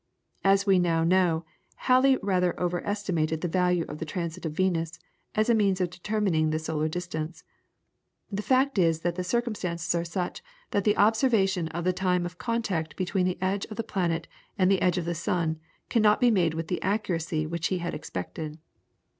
As we now know, Halley rather over estimated the value of the transit of Venus, as a means of determining the solar distance. The fact is that the circumstances are such that the observation of the time of contact between the edge of the planet and the edge of the sun cannot be made with the accuracy which he had expected.